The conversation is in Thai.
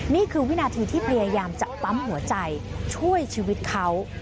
นี่คือวินาทีที่พยายามจะปั๊มหัวใจช่วยชีวิตเขา